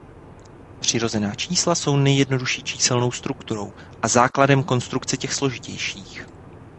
Přirozená čísla jsou nejjednodušší číselnou strukturou a základem konstrukce těch složitějších.